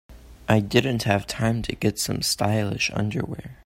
I didn't have time to get some stylish underwear.